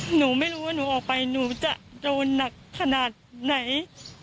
หนูไม่รู้ว่าหนูออกไปหนูจะโดนหนักขนาดไหน